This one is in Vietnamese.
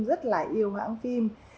rất là yêu hãng phim